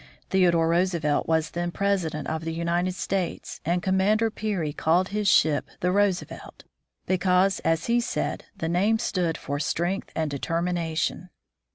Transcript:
Theodore Roosevelt was then President of the United States, and Commander Peary called his ship the Roosevelt, because, as he said, the name stood for strength and determination.